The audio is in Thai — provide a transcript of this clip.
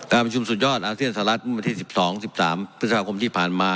การประชุมสุดยอดอาเซียนสหรัฐมุมเทศ๑๒๑๓ประชาคมที่ผ่านมา